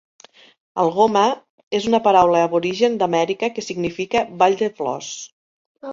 "Algoma" és una paraula aborigen d'Amèrica que significa "vall de flors".